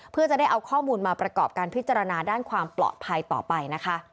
เพื่อจะได้เอาข้อมูลมาประกอบการพิจารณาด้านความปลอดภัยต่อไปนะคะ